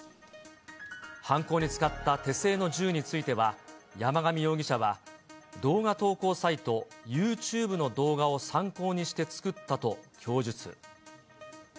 犯行に使った手製の銃については、山上容疑者は、動画投稿サイト、ユーチューブの動画を参考にして作ったと供述。